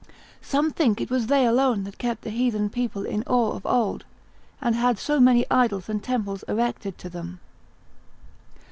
Some think it was they alone that kept the heathen people in awe of old, and had so many idols and temples erected to them.